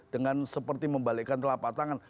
dengan seperti membalikkan telapak tangan